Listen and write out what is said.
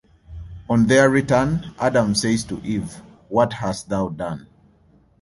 On their return, Adam says to Eve: What hast thou done?